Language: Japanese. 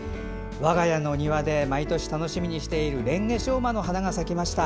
我が家の庭で毎年楽しみにしているレンゲショウマの花が咲きました。